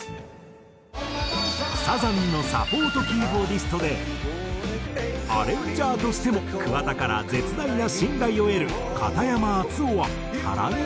サザンのサポートキーボーディストでアレンジャーとしても桑田から絶大な信頼を得る片山敦夫は原について。